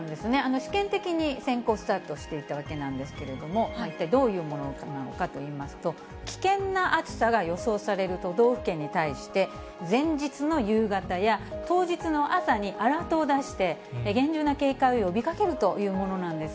試験的に先行スタートしていたわけなんですけれども、一体どういうものなのかといいますと、危険な暑さが予想される都道府県に対して、前日の夕方や当日の朝にアラートを出して、厳重な警戒を呼びかけるというものなんです。